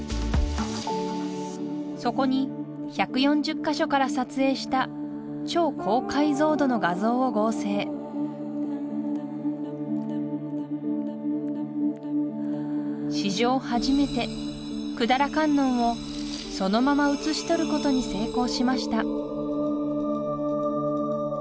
そこに１４０か所から撮影した超高解像度の画像を合成史上初めて百済観音をそのまま写し取ることに成功しました